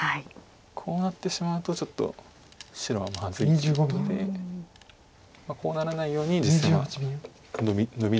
こうなってしまうとちょっと白はまずいということでこうならないように実戦はノビ。